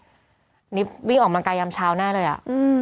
อันนี้วิ่งออกมากายามเช้าหน้าเลยอะ